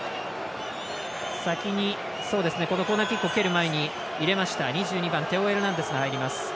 先にコーナーキックを蹴る前に入れました、２２番テオ・エルナンデスが入ります。